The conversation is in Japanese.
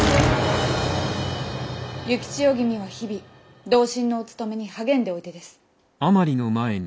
幸千代君は日々同心のお勤めに励んでおいでです。